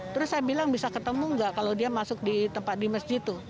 terus saya bilang bisa ketemu nggak kalau dia masuk di tempat di masjid tuh